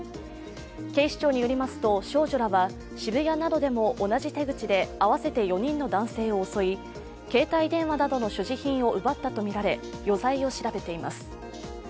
警視庁によりますと少女らは渋谷などでも同じ手口で合わせて４人の男性を襲い、携帯電話などの所持品を奪ったとみられ、余罪を調べています。